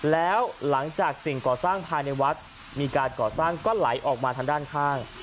แล้วหลังจากสิ่งก่อสร้างภายในวัดมีการก่อสร้างก็ไหลออกมาทางด้านข้าง